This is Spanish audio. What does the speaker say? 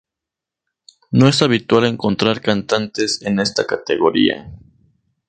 No es habitual encontrar cantantes en esta categoría.